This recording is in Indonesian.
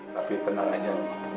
tapi tenang aja